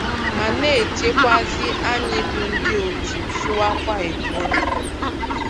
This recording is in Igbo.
ma na-echukwazị anyị bụ ndị Otu Sụwakwa Igbo ụra